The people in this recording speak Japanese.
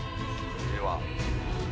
では。